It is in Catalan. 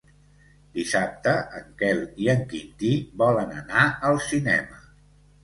Dissabte en Quel i en Quintí volen anar al cinema.